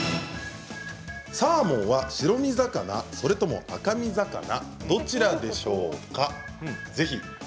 サーモンは白身魚、それとも赤身魚どちらでしょうか。